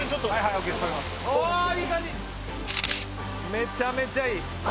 めちゃめちゃいい！